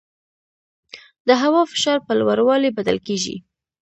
د هوا فشار په لوړوالي بدل کېږي.